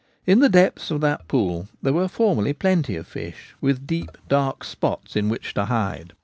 In the depths. of that pool there were formerly plenty of fish, with deep, dark spots in which to hide.